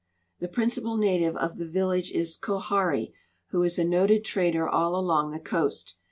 The principal native of the village is Koharri, who is a noted trader all along the coast.